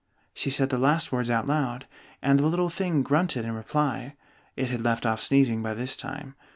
She said the last words out loud, and the little thing grunted in reply (it had left off sneezing by this time).